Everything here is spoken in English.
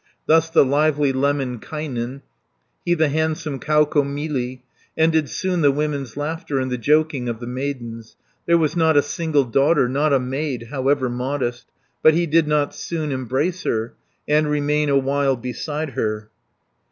Thus the lively Lemminkainen, He the handsome Kaukomieli, 150 Ended soon the women's laughter, And the joking of the maidens. There was not a single daughter, Not a maid, however modest, But he did not soon embrace her, And remain awhile beside her.